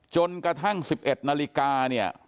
จนกระทั่ง๑๑นาฬิกาเนี่ย